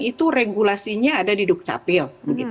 itu regulasinya ada di dukcapil